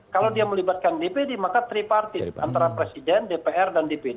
kalau dia melibatkan dpd maka tripartis antara presiden dpr dan dpd